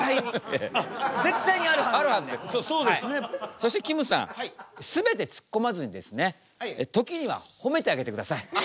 そしてきむさん全てツッコまずにですね時にはほめてあげてください。